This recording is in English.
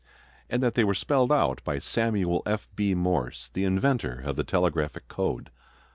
and that they were spelled out by Samuel F. B. Morse, the inventor of the telegraphic code.